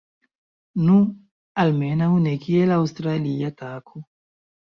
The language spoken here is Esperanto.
Nu, almenaŭ ne kiel aŭstralia tako